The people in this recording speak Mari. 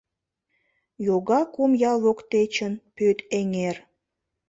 Йога кум ял воктечын Пӧт эҥер.